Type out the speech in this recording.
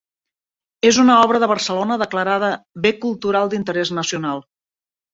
És una obra de Barcelona declarada Bé Cultural d'Interès Nacional.